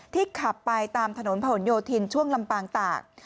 ขับไปตามถนนผนโยธินช่วงลำปางตาก